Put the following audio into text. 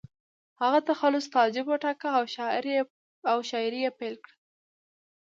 هغه تخلص تعجب وټاکه او شاعري یې پیل کړه